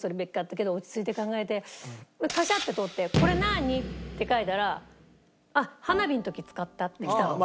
だけど落ち着いて考えてカシャッて撮って「これ何？」って書いたら「花火の時使った」って来たの。